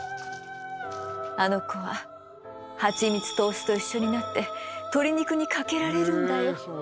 あの子ははちみつとお酢と一緒になって鶏肉にかけられるんだよ。